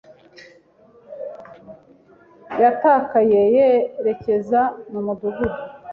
Yatakaye yerekeza mu mudugudu.